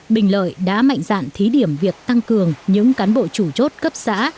bình lợi đã mạnh dạn thí điểm việc tăng cường những cán bộ chủ chốt cấp xã